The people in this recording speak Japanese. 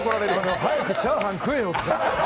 早くチャーハン食えよ。